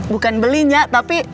bukan beli nya tapi